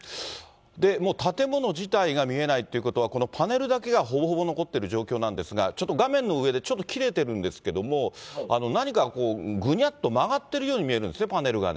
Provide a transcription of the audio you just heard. もう建物自体が見えないっていうことは、このパネルだけがほぼほぼ残っている状況なんですが、ちょっと画面の上で、ちょっと切れてるんですけども、何かこう、ぐにゃっと曲がっているように見えるんですね、パネルがね。